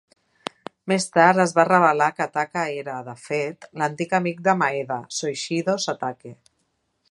Més tard es va revelar que Taka era, de fet, l'antic amic de Maeda, Soishiro Satake.